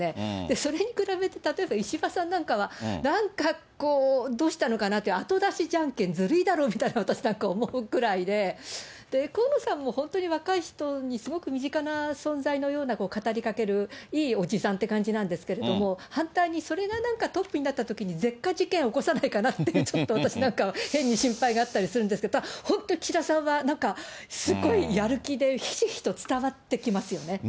それに比べて、例えば石破さんなんかは、なんかこう、どうしたのかなっていう、後出しじゃんけん、ずるいだろうなんか、私、思うくらいで、河野さんも本当に若い人にすごく身近な存在のような語り掛ける、いいおじさんって感じなんですけれども、反対にそれがなんかトップになったときに舌禍事件起こさないかなって、ちょっと私なんかは変に心配があったりするんですけど、本当に岸田さんは、なんか、すごいやる気でひしひしと伝わってきますよね。